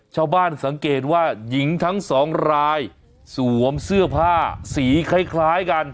ชาวบ้านสังเกตว่าหญิงทั้งสองรายสวมเสื้อผ้าสีคล้ายกัน